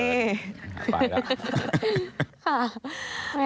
ไปแล้ว